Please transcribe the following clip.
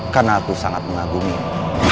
karena aku sangat mengagumimu